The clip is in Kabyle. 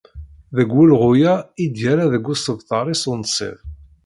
Deg wulɣu-a, i d-yerra deg usebter-is unṣib.